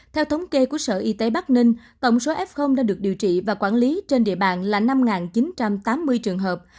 theo thống kê của sở y tế bắc ninh tổng số f đã được điều trị và quản lý trên địa bàn là năm chín trăm tám mươi trường hợp